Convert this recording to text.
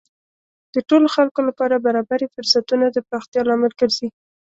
د ټولو خلکو لپاره برابرې فرصتونه د پراختیا لامل ګرځي.